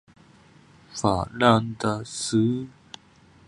法兰德斯。